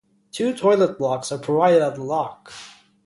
Two toilet blocks are provided at the loch.